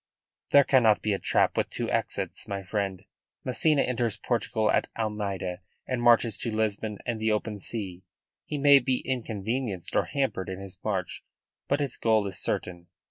"There cannot be a trap with two exits, my friend. Massena enters Portugal at Almeida and marches to Lisbon and the open sea. He may be inconvenienced or hampered in his march; but its goal is certain.